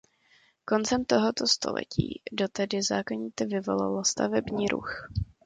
Koncem tohoto století to tedy zákonitě vyvolalo stavební ruch.